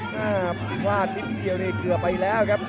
พลาดนิดเดียวนี่เกือบไปแล้วครับ